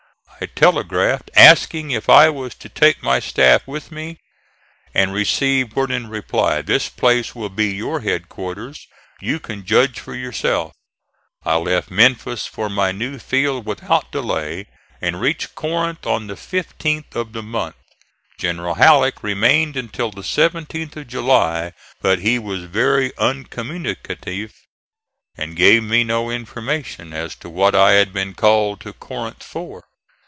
I telegraphed asking if I was to take my staff with me, and received word in reply: "This place will be your headquarters. You can judge for yourself." I left Memphis for my new field without delay, and reached Corinth on the 15th of the month. General Halleck remained until the 17th of July; but he was very uncommunicative, and gave me no information as to what I had been called to Corinth for.